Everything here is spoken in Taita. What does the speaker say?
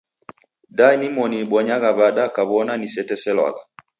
Da nimoni nibonyaa w'ada kaw'ona niseteselwagha?